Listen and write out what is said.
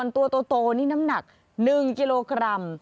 ตัวโตนี่น้ำหนัก๑กิโลกรัม